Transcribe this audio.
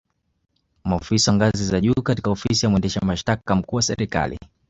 Maofisa wa ngazi za juu katika Ofisi ya mwendesha mashitaka mkuu wa Serikali